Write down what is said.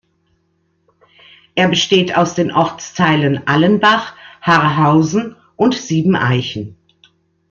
Er besteht aus den Ortsteilen Allenbach, Haarhausen und Sieben Eichen.